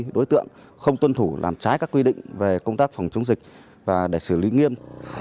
đối tượng không tuân thủ làm trái các quy định về công tác phòng chống dịch và để xử lý nghiêm